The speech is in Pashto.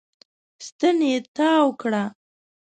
ستن يې تاو کړه.